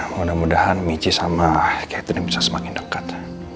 mudah mudahan michi sama ketun bisa semakin deket